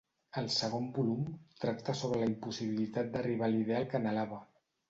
El segon volum, tracta sobre la impossibilitat d'arribar l'ideal que anhelava.